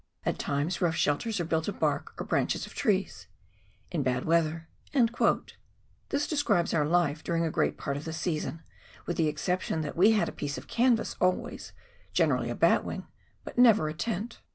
At times rough shelters are built of bark, or branches of trees, in bad weather. ..." This describes our life during a great part of the season, with the exception that we had a piece of canvas always, generally a batwing — but never a tent.